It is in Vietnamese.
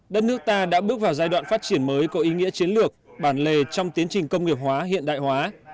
đất nước ta đã bước vào giai đoạn phát triển mới có ý nghĩa chiến lược bản lề trong tiến trình công nghiệp hóa hiện đại hóa